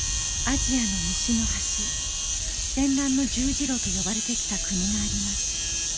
アジアの西の端戦乱の十字路と呼ばれてきた国があります。